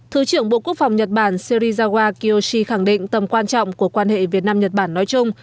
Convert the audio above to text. thứ trưởng bộ quốc phòng nhật bản sirizawa kiosi khẳng định tầm quan trọng của quan hệ việt nam nhật bản nói chung